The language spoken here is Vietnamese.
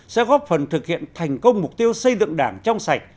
sẽ góp phần thực hiện thành công mục tiêu xây dựng đảng trong sạch